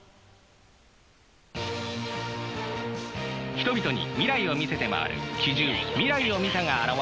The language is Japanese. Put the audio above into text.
人々に未来を見せて回る奇獣未来を見たが現れた。